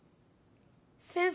先生！